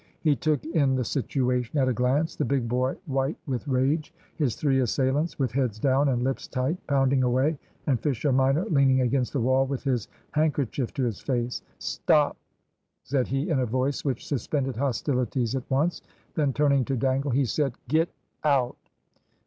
He took in the situation at a glance the big boy white with rage, his three assailants with heads down and lips tight, pounding away, and Fisher minor leaning against the wall with his handkerchief to his face. "Stop!" said he in a voice which suspended hostilities at once. Then turning to Dangle he said "Get out."